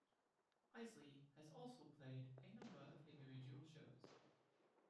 Eisley has also played a number of individual shows.